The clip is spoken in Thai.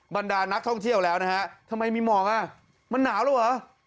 บรรดานักท่องเที่ยวแล้วนะฮะทำไมมีหมอกอ่ะมันหนาวแล้วเหรอ